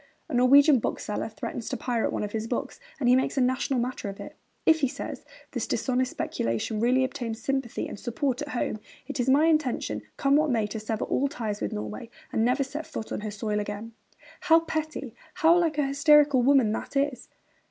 A Norwegian bookseller threatens to pirate one of his books, and he makes a national matter of it. 'If,' he says, 'this dishonest speculation really obtains sympathy and support at home, it is my intention, come what may, to sever all ties with Norway and never set foot on her soil again.' How petty, how like a hysterical woman that is!